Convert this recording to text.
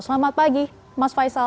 selamat pagi mas faisal